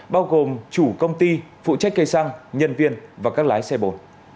bao gồm chủ công ty phụ trách cây xăng nhân viên và các lái xe bồn